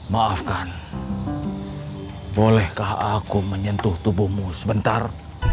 maafkan bolehkah aku menyentuh tubuhmu sebentar